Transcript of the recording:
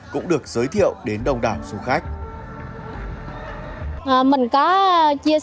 cũng được giới thiệu đến đông đảo du lịch